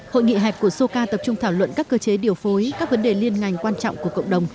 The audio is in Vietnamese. hội nghị hẹp của soca tập trung thảo luận các cơ chế điều phối các vấn đề liên ngành quan trọng của cộng đồng